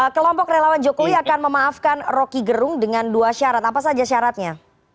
kelompok relawan jokowi akan memaafkan roky gerung dengan dua syarat apa saja syaratnya